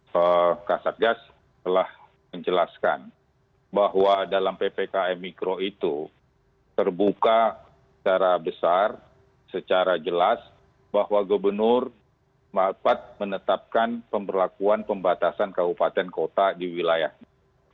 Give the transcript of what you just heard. pak kasatgas telah menjelaskan bahwa dalam ppkm mikro itu terbuka secara besar secara jelas bahwa gubernur dapat menetapkan pemberlakuan pembatasan kabupaten kota di wilayahnya